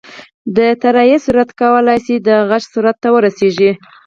د طیارې سرعت کولی شي د غږ سرعت ته ورسېږي.